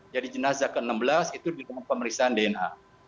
jadi jenazah ke enam belas itu di dalam pemeriksaan dna